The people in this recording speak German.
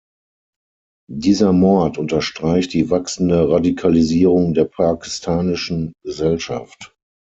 Dieser Mord unterstreicht die wachsende Radikalisierung der pakistanischen Gesellschaft.